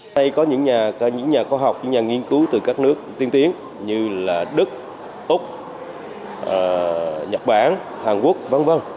hay có những nhà khoa học những nhà nghiên cứu từ các nước tiên tiến như là đức úc nhật bản hàn quốc v v